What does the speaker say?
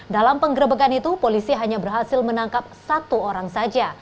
dalam penggerebekan itu polisi hanya berhasil menangkap satu orang saja